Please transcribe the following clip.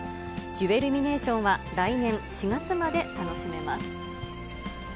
ジュエルミネーションは来年４月まで楽しめます。